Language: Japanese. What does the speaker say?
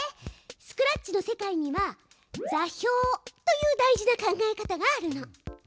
スクラッチの世界には座標という大事な考え方があるの。